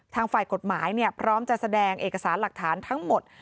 ทางฝ่ายกฎหมายพร้อมจะแสดงเอกสารหลักฐานทั้งหมด